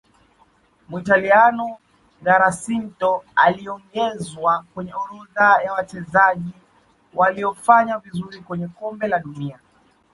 muitaliano giacinto aliongezwa kwenye orodha ya wachezaji waliofanya vizuri kwenye Kombe la dunia